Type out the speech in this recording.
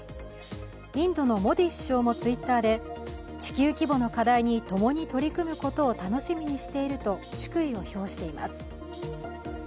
インドのモディ首相もＴｗｉｔｔｅｒで地球規模の課題に共に取り組むことを楽しみにしていると祝意を表しています。